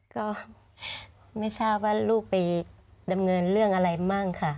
ก็ไม่ทราบว่าลูกไปดำเนินเรื่องอะไรมั่งค่ะ